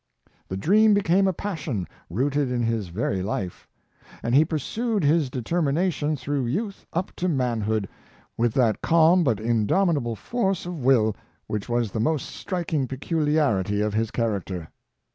The dream became a passion, rooted in his very lif^; and he pursued his de termination through youth up to manhood, with that calm but indomitable force of will which was the most striking peculiarity of his character.